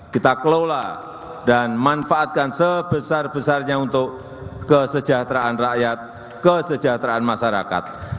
kita kelola dan manfaatkan sebesar besarnya untuk kesejahteraan rakyat kesejahteraan masyarakat